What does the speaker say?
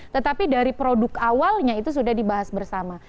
tetapi dari produk awalnya itu sudah dibahas bersama